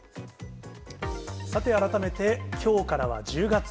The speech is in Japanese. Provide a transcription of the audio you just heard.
さて、改めてきょうからは１０月。